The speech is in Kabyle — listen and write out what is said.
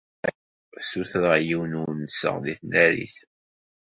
Ssutreɣ yiwen n unsa deg tnarit.